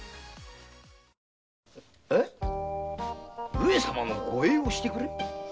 上様の護衛をしてくれ？